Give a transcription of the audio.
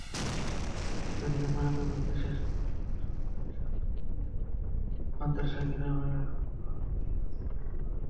এদিকে ময়নাতদন্ত শেষে গতকাল সন্ধ্যায় সাতকানিয়ার মাদার্শা গ্রামে ফারুকের লাশ দাফন করা হয়।